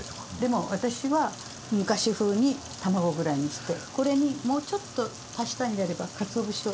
でも私は昔風に卵ぐらいにしてこれにもうちょっと足したいんであればかつお節を入れたら。